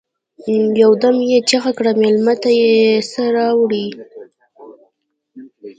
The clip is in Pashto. يودم يې چيغه کړه: مېلمه ته يو څه راوړئ!